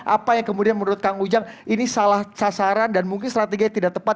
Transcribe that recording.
apa yang kemudian menurut kang ujang ini salah sasaran dan mungkin strategi tidak tepat